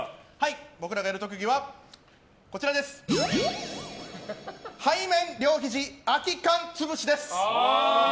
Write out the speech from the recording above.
僕らがやる特技は背面両ひじ空き缶潰しです。